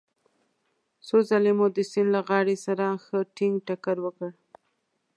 څو ځلې مو د سیند له غاړې سره ښه ټينګ ټکر وکړ.